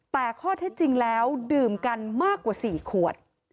แต่ข้อเท็จจริงแล้วดื่มกันมากกว่า๔ขวด